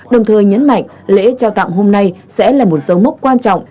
đồng thời nhấn mạnh lễ trao tặng hôm nay sẽ là một dấu mốc quan trọng